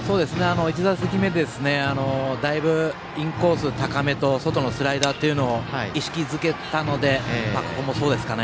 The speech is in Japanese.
１打席目はインコース高めと外のスライダーを意識づけたのでここもそうですね。